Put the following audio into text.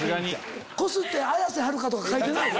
こすって「綾瀬はるか」とか書いてない？